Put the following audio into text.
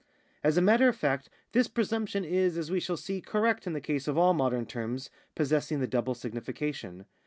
As a matter of fact this presumption is, as we shall see, correct in the case of all modem terms possessing the double signification.